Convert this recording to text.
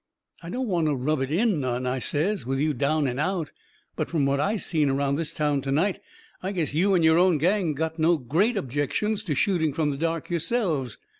"I don't want to rub it in none," I says, "with you down and out, but from what I seen around this town to night I guess you and your own gang got no GREAT objections to shooting from the dark yourselves."